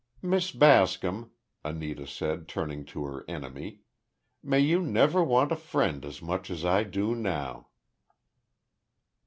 "Miss Bascom," Anita said, turning to her enemy, "may you never want a friend as much as I do now."